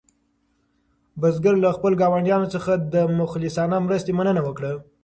بزګر له خپلو ګاونډیانو څخه د مخلصانه مرستې مننه وکړه.